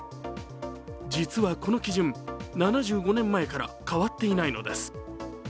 実はこの基準、７５年前から変わっていないのです。